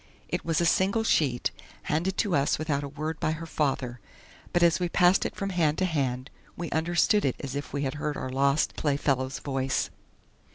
It was a single sheet, handed to us without a word by her father; but as we passed it from hand to hand, we understood it as if we had heard our lost playfellow's voice.